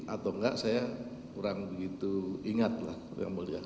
atau enggak saya kurang begitu ingat lah yang mulia